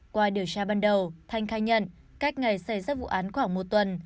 qua điều tra ban đầu thanh khai nhận cách ngày xảy ra vụ án khoảng một tuần